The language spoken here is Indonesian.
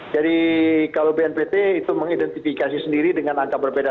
jadi kalau bnpt itu mengidentifikasi sendiri dengan angka berbeda